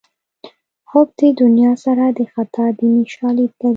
حب د دنیا سر د خطا دیني شالید لري